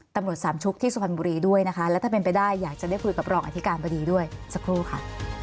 ตำรวจสามชุกที่สุพรรณบุรีด้วยนะคะแล้วถ้าเป็นไปได้อยากจะได้คุยกับรองอธิการบดีด้วยสักครู่ค่ะ